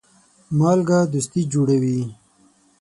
مالګه دوستي جوړوي.